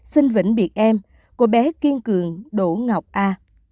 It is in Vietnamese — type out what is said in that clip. xin vĩnh biệt em của bé kiên cường đỗ ngọc a